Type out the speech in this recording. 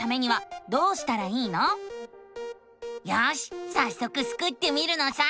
よしさっそくスクってみるのさ！